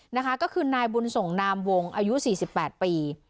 นะคะก็คือนายบุญสงฆ์นามวงอายุสี่สิบแปดปี